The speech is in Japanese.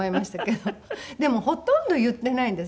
でもほとんど言ってないんです